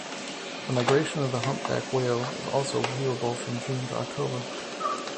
The migration of the humpback whales is also viewable from June to October.